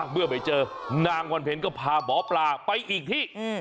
เมื่อไปเจอนางวันเพ็ญก็พาหมอปลาไปอีกที่